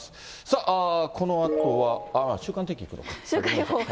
さあ、このあとは週間天気にいく週間予報。